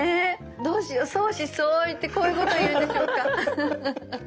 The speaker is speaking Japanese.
どうしよう相思相愛ってこういうことを言うんでしょうか。